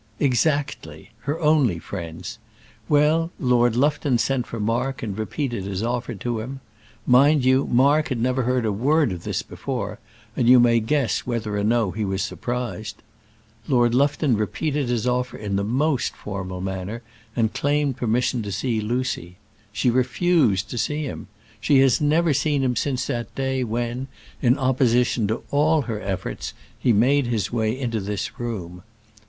"Exactly; her only friends. Well, Lord Lufton sent for Mark and repeated his offer to him. Mind you, Mark had never heard a word of this before, and you may guess whether or no he was surprised. Lord Lufton repeated his offer in the most formal manner and claimed permission to see Lucy. She refused to see him. She has never seen him since that day when, in opposition to all her efforts, he made his way into this room.